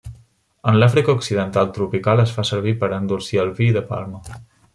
En l'Àfrica occidental tropical es fa servir per endolcir el vi de palma.